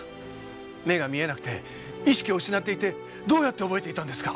目が見えなくて意識を失っていてどうやって覚えていたんですか？